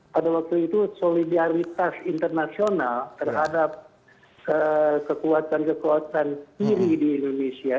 pada waktu itu solidaritas internasional terhadap kekuatan kekuatan kiri di indonesia